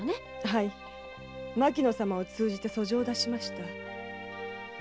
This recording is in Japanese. はい牧野様を通じて訴状を出しました。